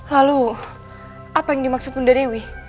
lalu apa yang dimaksud bunda dewi